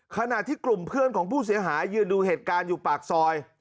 ขณะที่กลุ่มเพื่อนของผู้เสียหายยืนดูเหตุการณ์อยู่ปากซอย